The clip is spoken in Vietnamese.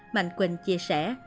mạnh quỳnh chia sẻ